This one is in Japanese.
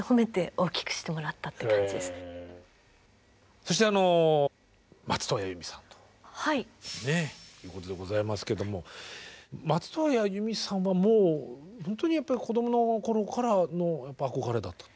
そしてあの松任谷由実さんということでございますけども松任谷由実さんはもうほんとに子どもの頃からの憧れだったと。